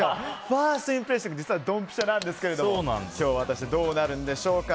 ファーストインプレッションが実はどんぴしゃなんですが今日は果たしてどうなるんでしょうか。